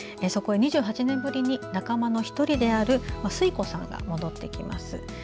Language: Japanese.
そこへ、２８年ぶりに仲間の１人であるスイ子さんが戻ってきます。